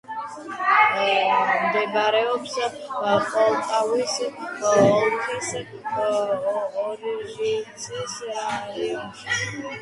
მდებარეობს პოლტავის ოლქის ორჟიცის რაიონში.